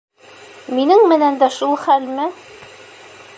Минең менән дә шул хәлме?